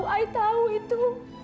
saya tahu itu